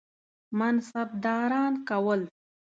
منصبداران کول.